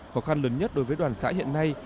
khó khăn lớn nhất đối với đoàn xã hiện nay